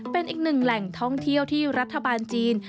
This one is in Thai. เป็นอีกหนึ่งแหล่งท่องเที่ยวที่รัฐบาลจีน